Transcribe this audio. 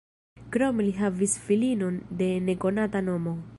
Krome li havis filinon de nekonata nomo.